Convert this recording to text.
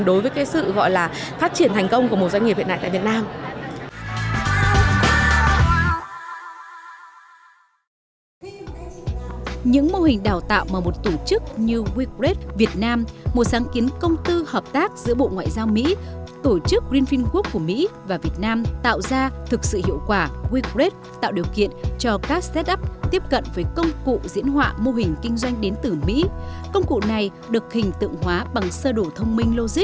đối với cái sự gọi là phát triển thành công của một doanh nghiệp hiện nay tại việt nam